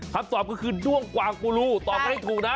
ตอบก็คือด้วงกวางกูรูตอบมาให้ถูกนะ